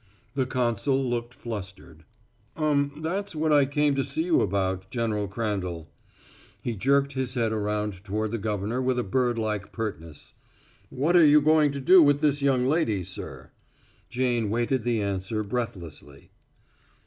The consul looked flustered. "Um that's what I came to see you about, General Crandall." He jerked his head around toward the governor with a birdlike pertness. "What are you going to do with this young lady, sir?" Jane waited the answer breathlessly.